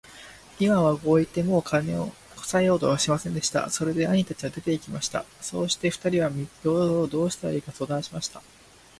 イワンはこう言って、もう金をこさえようとはしませんでした。それで兄たちは出て行きました。そして二人は道々どうしたらいいか相談しました。